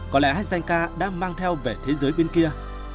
có lẽ hai danh ca đã mang theo về thế giới bên kia